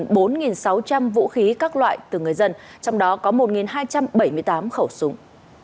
công an tỉnh đắk lắc đã thu hồi được gần bốn sáu trăm linh vũ khí các loại từ người dân trong đó có một hai trăm bảy mươi tám khẩu súng